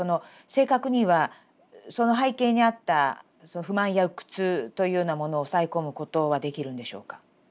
正確にはその背景にあった不満や鬱屈というようなものを抑え込むことはできるんでしょうか？